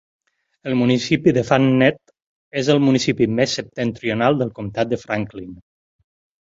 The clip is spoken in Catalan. El municipi de Fannett és el municipi més septentrional del comtat de Franklin.